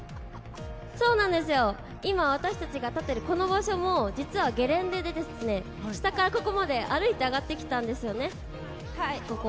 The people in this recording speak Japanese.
そうなんですよ、今、私たちが立っているこの場所も実はゲレンデで、下からここまで歩いて上がってきたんですよね、ここ。